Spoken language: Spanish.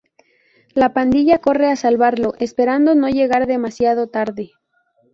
La pandilla corre a salvarlo, esperando no llegar demasiado tarde.